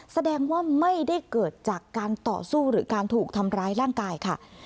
แสดงว่าไม่ได้เกิดจากการต่อสู้หรือการถูกทำร้ายร่างกายค่ะ